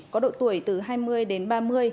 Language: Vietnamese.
có độ tuổi từ hai mươi đến ba mươi